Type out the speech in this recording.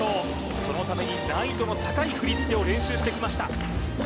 そのために難易度の高い振り付けを練習してきました